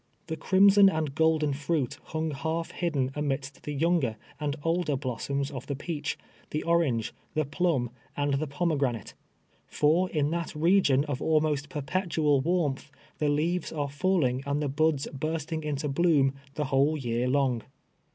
The crimson andgoklen fruit hnng half hidden amidst the younger and older blossoms of the peach, the or ange, the plum, and the pomegranate ; for, in that region of almost jierpetual warmth, the leaves are falling and the Luds bursting into bloom the whole year loiig.